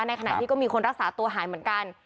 ในขณะที่ก็มีคนรักษาตัวหายเหมือนกัน